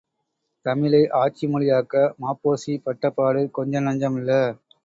தமிழை ஆட்சி மொழியாக்க ம.பொ.சி.பட்டபாடு கொஞ்ச நஞ்சமல்ல.